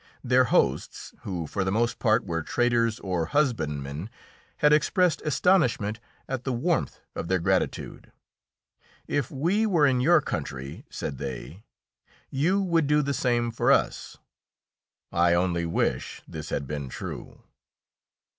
Their hosts, who for the most part were traders or husbandmen, had expressed astonishment at the warmth of their gratitude. "If we were in your country," said they, "you would do the same for us." I only wish this had been true.